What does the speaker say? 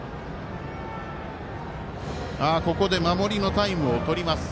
ここで、守りのタイムをとります。